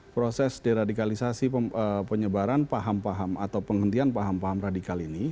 proses deradikalisasi penyebaran paham paham atau penghentian paham paham radikal ini